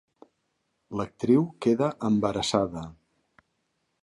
L'actriu queda embarassada.